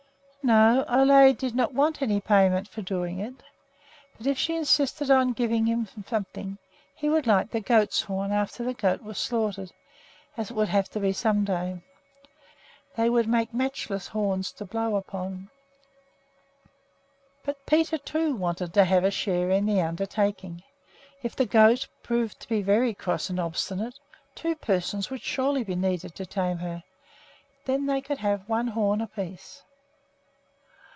No, Ole did not want any payment for doing it; but if she insisted on giving him something, he would like the goat's horns after the goat was slaughtered, as it would have to be some day. They would make matchless horns to blow upon. But Peter, too, wanted to have a share in the undertaking. If the goat proved to be very cross and obstinate, two persons would surely be needed to tame her. Then they could have one horn apiece.